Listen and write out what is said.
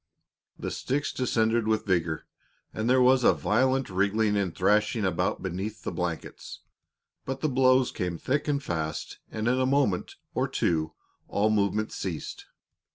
The sticks descended with vigor, and there was a violent wriggling and thrashing about beneath the blankets. But the blows came thick and fast, and in a moment or two all movement ceased.